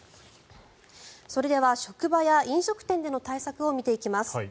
それでは職場や飲食店での対策を見ていきます。